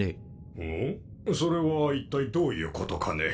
それは一体どういうことかね？